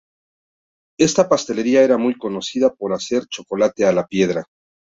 Esta pastelería era muy conocida por hacer chocolate a la piedra.